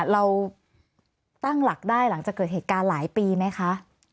เราตั้งหลักได้หลังจากเกิดเหตุการณ์หลายปีไหมคะ